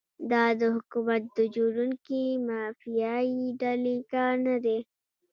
دا د حکومت د جوړونکي مافیایي ډلې کار نه دی.